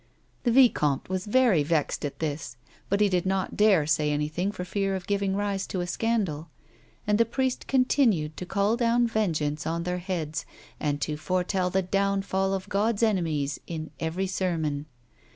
The vicomte was very vexed at this, but he did not dare say anything for fear of giving rise to a scandal ; and the priest continued to call down vengeance on their heads, and to foretell the downfall of God's enemies in every sermon.